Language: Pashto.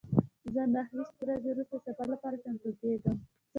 زه نهه ویشت ورځې وروسته د سفر لپاره چمتو کیږم.